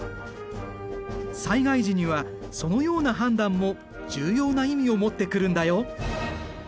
災害時にはそのような判断も重要な意味を持ってくるんだよ。